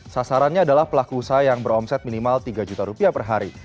sasarannya adalah pelaku usaha yang beromset minimal tiga juta rupiah per hari